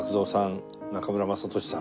中村雅俊さん。